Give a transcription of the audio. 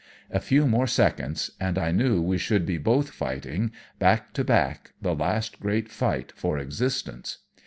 A few more seconds, and I knew we should be both fighting, back to back, the last great fight for existence.